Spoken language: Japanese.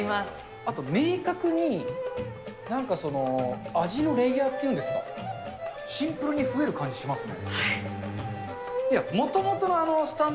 あと明確に、なんかその、味のレイヤーっていうんですか、シンプルに増える感じしますね。